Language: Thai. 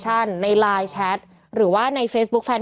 เพื่อไม่ให้เชื้อมันกระจายหรือว่าขยายตัวเพิ่มมากขึ้น